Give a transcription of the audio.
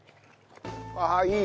ああいい。